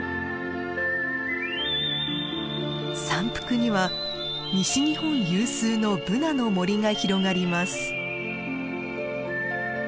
山腹には西日本有数のブナの森が広がります。